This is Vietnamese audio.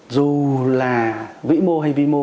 dù là vĩ mô hay vi mô